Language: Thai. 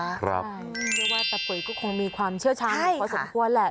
เรียกว่าแต่ป่วยก็คงมีความเชื่อชาญของเขาสมควรแหละ